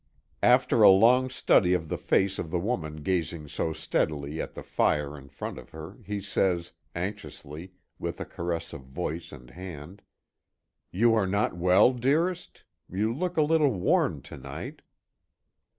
After a long study of the face of the woman gazing so steadily at the fire in front of her, he says, anxiously, with a caress of voice and hand: "You are not well, dearest? You look a little worn to night."